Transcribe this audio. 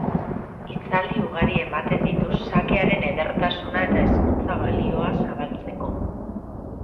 Hitzaldi ugari ematen ditu xakearen edertasuna eta hezkuntza-balioa zabaltzeko.